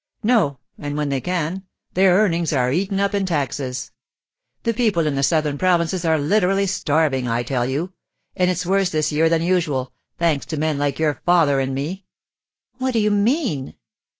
'No; and when they can, their earnings are eaten up in taxes. The people in the southern provinces are literally starving, I tell you; and it's worse this year than usual, thanks to men like your father and me.' 'What do you mean?